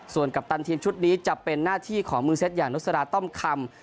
ส่วนกัปตันทีมชุดนี้จะเป็นหน้าที่ของมือเซ็ตอย่างนุษราต้อมคำ